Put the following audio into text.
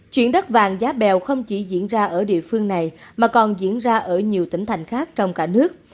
chuyển đất vàng giá bèo không chỉ diễn ra ở địa phương này mà còn diễn ra ở nhiều tỉnh thành khác trong cả nước